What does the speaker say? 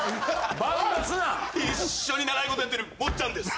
一緒に長いことやってる坊ちゃんです。